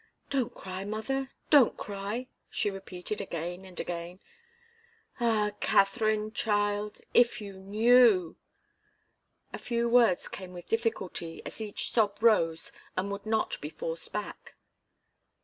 "Don't cry, mother don't cry!" she repeated again and again. "Ah, Katharine child if you knew!" The few words came with difficulty, as each sob rose and would not be forced back.